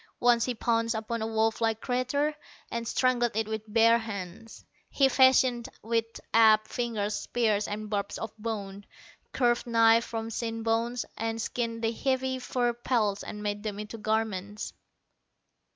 Once he pounced upon a wolf like creature, and strangled it with bare hands. He fashioned with apt fingers spears and barbs of bone, curved knives from shin bones, and skinned the heavy fur pelts and made them into garments.